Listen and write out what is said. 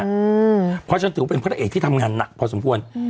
เพราะฉันถือว่าเป็นพระเอกที่ทำงานหนักพอสมควร